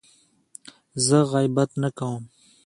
زه غیبت نه کوم.